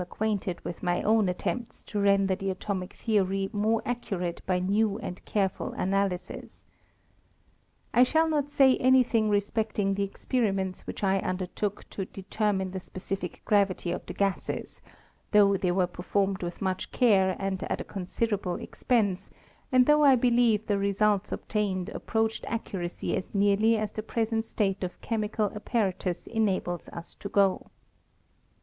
ucquainted with my own attempts to render the atomic theory more accurate by new and careful analyses. I shall not say any thing respecting' the experiments which I undertook to determine the specific gravity of the gases ; though they were performed with much care, and at a considerable expense, and though 1 believe the results obtained approached accuracy as nearly as the present state of chemical apparatus enables us to go.